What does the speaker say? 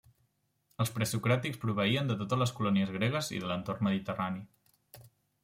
Els presocràtics proveïen de totes les colònies gregues i de l'entorn mediterrani.